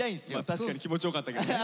確かに気持ち良かったけどね。